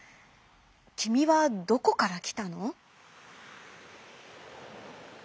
きみはどこからきたの？」。